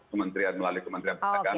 kementerian melalui kementerian pencegahan